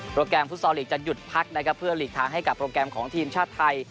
แกรมฟุตซอลลีกจะหยุดพักนะครับเพื่อหลีกทางให้กับโปรแกรมของทีมชาติไทย